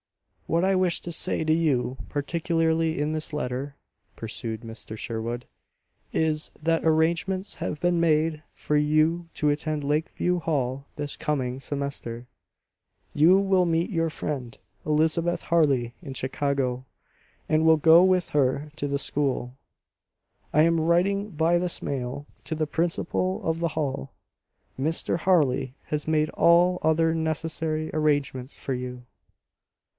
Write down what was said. "What I wish to say to you particularly in this letter," pursued Mr. Sherwood, "is, that arrangements have been made for you to attend Lakeview Hall this coming semester. You will meet your friend, Elizabeth Harley, in Chicago, and will go with her to the school. I am writing by this mail to the principal of the Hall. Mr. Harley has made all other necessary arrangements for you."